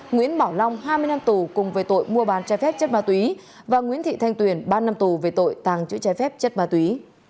nguyễn bảo long hai mươi năm tù cùng về tội mua bán trái phép chất ma túy và nguyễn thị thanh tuyền ba năm tù về tội tàng chữ trái phép chất ma túy